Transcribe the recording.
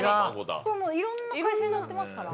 いろんな海鮮のってますから。